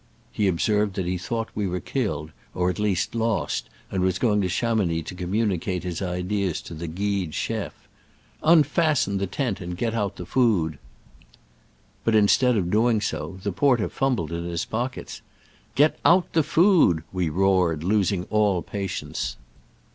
He ob served that he had thought we were kill ed, or at least lost, and was going to Chamounix to communicate his ideas to the guide chef. Unfasten the tent and get out the food." But instead of doing so, the porter fumbled in his pockets. "Get out the food," we roared, losing all patience.